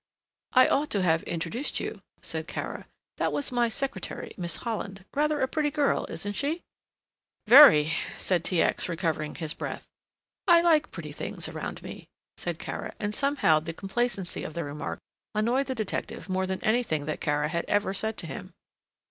"I ought to have introduced you," said Kara. "That was my secretary, Miss Holland. Rather a pretty girl, isn't she?" "Very," said T. X., recovering his breath. "I like pretty things around me," said Kara, and somehow the complacency of the remark annoyed the detective more than anything that Kara had ever said to him.